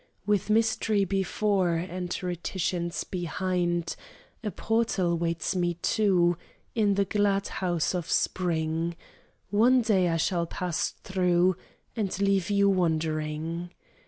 With mystery before, And reticence behind, A portal waits me too In the glad house of spring, One day I shall pass through And leave you wondering.